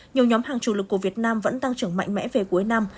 nhiều nhóm hàng chủ lực của việt nam vẫn tăng trưởng mạnh mẽ về cuối năm